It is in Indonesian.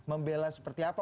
membela seperti apa